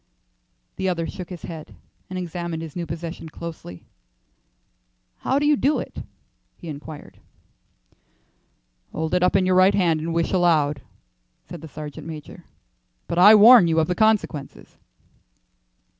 The other shook his head and examined his new possession closely. "How do you do it?" he inquired. "Hold it up in your right hand and wish aloud," said the sergeant major, "but I warn you of the consequences."